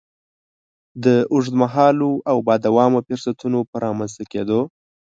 د اوږد مهالو او با دوامه فرصتونو په رامنځ ته کېدو.